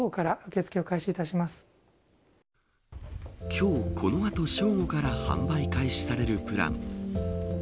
今日、この後正午から販売開始されるプラン。